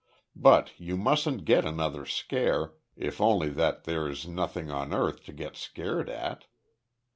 But you mustn't get another scare, if only that there's nothing on earth to get scared at.